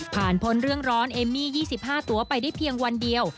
พ้นเรื่องร้อนเอมมี่๒๕ตัวไปได้เพียงวันเดียว